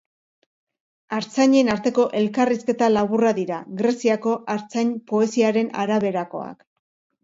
Artzainen arteko elkarrizketa laburrak dira, Greziako artzain poesiaren araberakoak.